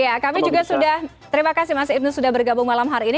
ya kami juga sudah terima kasih mas ibnu sudah bergabung malam hari ini